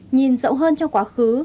nhìn rộng hơn trong quá khứ